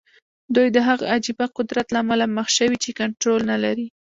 دوی د هغه عجيبه قدرت له امله مخ شوي چې کنټرول نه لري.